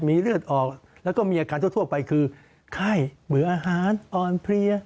มีเลือดออกแล้วก็มีอาการทั่วไปคือไข้เบื่ออาหารอ่อนเพลีย